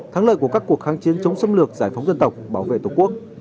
thắng lợi của các cuộc kháng chiến chống xâm lược giải phóng dân tộc bảo vệ tổ quốc